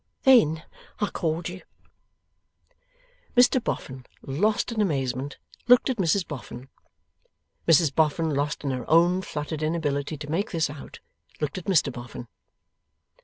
Then, I called you.' Mr Boffin, lost in amazement, looked at Mrs Boffin. Mrs Boffin, lost in her own fluttered inability to make this out, looked at Mr Boffin.